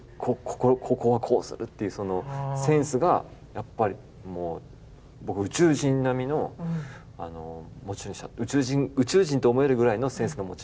ここはこうするっていうそのセンスがやっぱりもう宇宙人並みの宇宙人と思えるぐらいのセンスの持ち主だったんじゃないかなと。